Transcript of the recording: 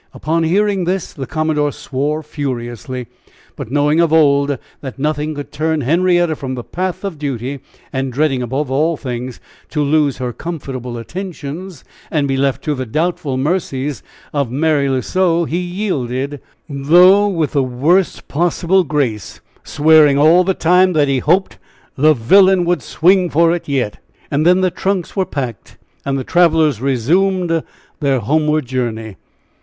Upon hearing this, the commodore swore furiously; but knowing of old that nothing could turn Henrietta from the path of duty, and dreading above all things to lose her comfortable attentions, and be left to the doubtful mercies of Mary L'Oiseau, he yielded, though with the worst possible grace, swearing all the time that he hoped the villain would swing for it yet. And then the trunks were packed, and the travelers resumed their homeward journey.